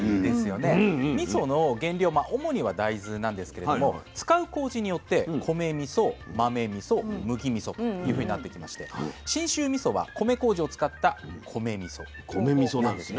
主には大豆なんですけれども使うこうじによって米みそ豆みそ麦みそというふうになってきまして信州みそは米こうじを使った米みそなんです。